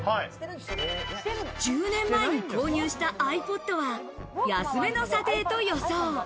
１０年前に購入したｉＰｏｄは安めの査定と予想。